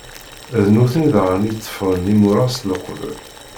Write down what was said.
D nutni daɣen i iteffɣen imuṛaṣ uqbel.